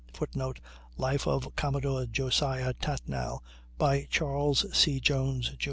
[Footnote: "Life of Commodore Josiah Tatnall," by Charles C. Jones, Jr.